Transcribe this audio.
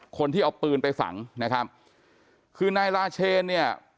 คนที่เอาปืนไปฝังนะครับคือนายลาเชนเนี่ย